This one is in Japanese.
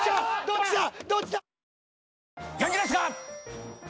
どっちだ？